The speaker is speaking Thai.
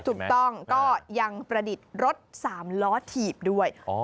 ถูกต้องก็ยังประดิษฐ์รถ๓ล้อถีบด้วย